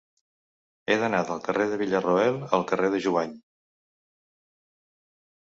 He d'anar del carrer de Villarroel al carrer de Jubany.